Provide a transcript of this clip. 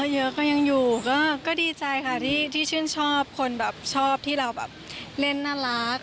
เยอะก็ยังอยู่ก็ดีใจค่ะที่ชื่นชอบคนแบบชอบที่เราแบบเล่นน่ารัก